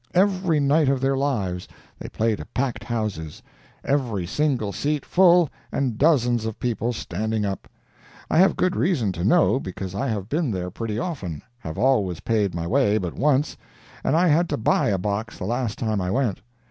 Every night of their lives they play to packed houses—every single seat full and dozens of people standing up. I have good reason to know, because I have been there pretty often, have always paid my way but once, and I had to buy a box the last time I went.